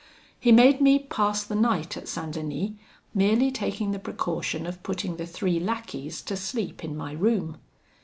He made me pass the night at St. Denis, merely taking the precaution of putting the three lackeys to sleep in my room.